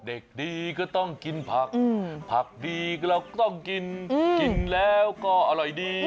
เด็กดีก็ต้องกินผักผักดีเราก็ต้องกินกินแล้วก็อร่อยดี